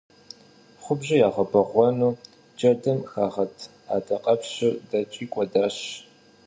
Хъубжэр ягъэбэгъуэну джэдым хагъэт адакъэпщыр дэкӏри кӏуэдащ.